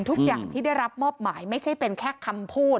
ทุกอย่างที่ได้รับมอบหมายไม่ใช่เป็นแค่คำพูด